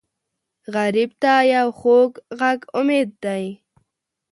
غریب ته یو خوږ غږ امید دی